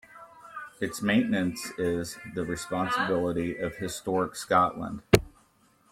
Its maintenance is the responsibility of Historic Scotland.